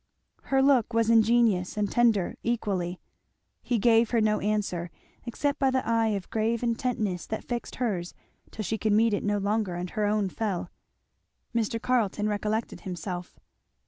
Her look was ingenuous and tender, equally. He gave her no answer, except by the eye of grave intentness that fixed hers till she could meet it no longer and her own fell. Mr. Carleton recollected himself.